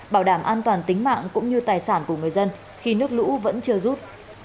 bảo đảm an toàn tính mạng cũng như tài sản của người dân khi nước lũ vẫn chưa rút